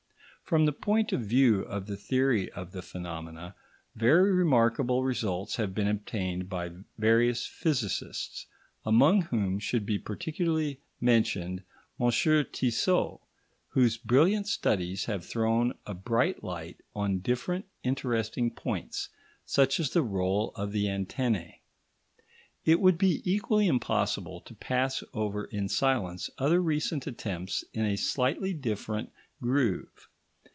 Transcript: From the point of view of the theory of the phenomena, very remarkable results have been obtained by various physicists, among whom should be particularly mentioned M. Tissot, whose brilliant studies have thrown a bright light on different interesting points, such as the rôle of the antennae. It would be equally impossible to pass over in silence other recent attempts in a slightly different groove.